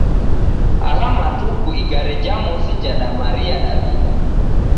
Agha matuku igare ja mosi jamaria Dawida.